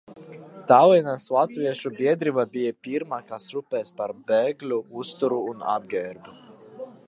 Tallinas latviešu biedrība bija pirmā, kas rūpējās par bēgļu uzturu un apģērbu.